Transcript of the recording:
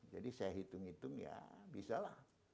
jadi saya hitung hitung ya bisa lah